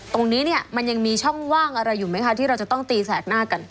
ตรงนี้เนี่ยมันยังมีช่องว่างอะไรอยู่ไหมคะที่เราจะต้องตีแสกหน้ากัน